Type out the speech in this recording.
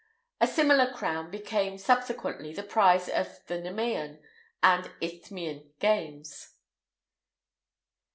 A similar crown became, subsequently, the prize of the Nemæan[IX 194] and Isthmian Games.